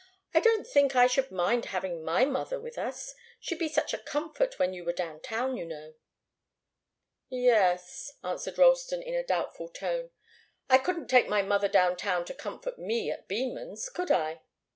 "I don't think I should mind having my mother with us. She'd be such a comfort when you were down town, you know." "Yes," answered Ralston, in a doubtful tone. "I couldn't take my mother down town to comfort me at Beman's, could I?"